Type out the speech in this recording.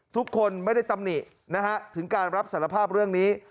ทุกคนไม่ได้ตำหนิถึงการรับสารภาพเรื่องนี้